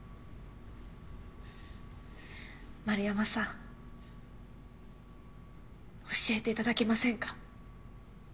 円山さん教えていただけませんか？